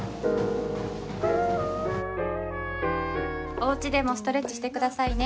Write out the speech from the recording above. お家でもストレッチしてくださいね。